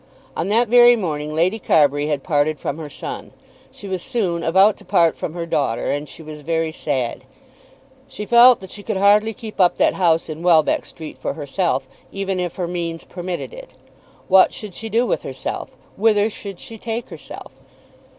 On that very morning Lady Carbury had parted from her son. She was soon about to part from her daughter, and she was very sad. She felt that she could hardly keep up that house in Welbeck Street for herself, even if her means permitted it. What should she do with herself? Whither should she take herself?